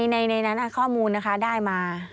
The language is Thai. ในนั้นข้อมูลนะคะได้มา